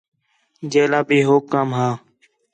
جیلا بھی ہوک کَم ہا